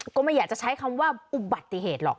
ก็ไม่อยากจะใช้คำว่าอุบัติเหตุหรอก